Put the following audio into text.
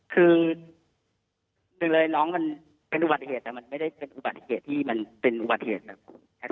คือหนึ่งเลยน้องมันเป็นอุบัติเหตุแต่มันไม่ได้เป็นอุบัติเหตุที่มันเป็นอุบัติเหตุนะคุณ